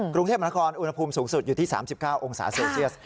กรุงเทพมนครอุณหภูมิสูงสุดอยู่ที่๓๙องศาเซลเซียส